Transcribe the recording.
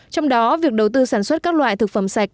trong đó việc đầu tư sản xuất các loại thực phẩm sạch